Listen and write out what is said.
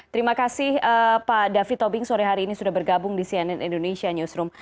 terima kasih pak david tobing sore hari ini sudah bergabung di cnn indonesia newsroom